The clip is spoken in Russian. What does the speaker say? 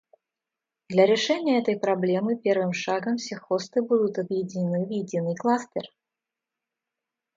Для решения этой проблемы первым шагом все хосты будут объединены в единый кластер